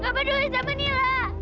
nggak peduli sama nila